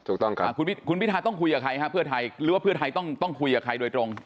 ถูกต้องครับคุณพิทาต้องคุยกับใครครับเพื่อไทยหรือว่าเพื่อไทยต้องคุยกับใครโดยตรง